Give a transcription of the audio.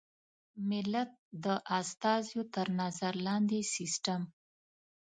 ملت د استازیو تر نظر لاندې سیسټم.